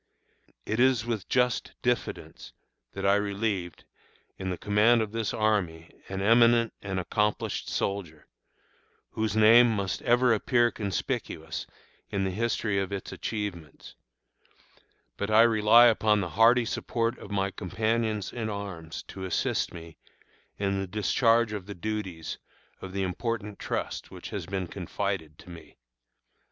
It is with just diffidence that I relieved, in the command of this army, an eminent and accomplished soldier, whose name must ever appear conspicuous in the history of its achievements; but I rely upon the hearty support of my companions in arms to assist me in the discharge of the duties of the important trust which has been confided to me.